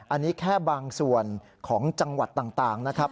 อันนี้แค่บางส่วนของจังหวัดต่างนะครับ